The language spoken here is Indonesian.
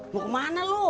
lu kemana lu